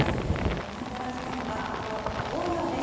御覧いただきたいのがこの紅葉です。